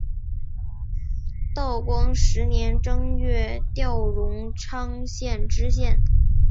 道光十年正月调荣昌县知县。